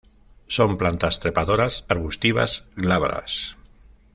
Son plantas trepadoras arbustivas glabras.